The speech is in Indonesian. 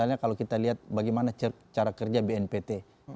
misalnya kalau kita lihat bagaimana cara kerja bnpt